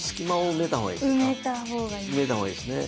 埋めた方がいいですね。